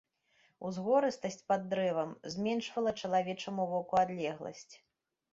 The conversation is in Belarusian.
Узгорыстасць пад дрэвам зменшвала чалавечаму воку адлегласць.